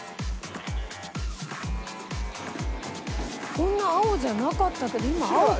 こんな青じゃなかったけど今青か。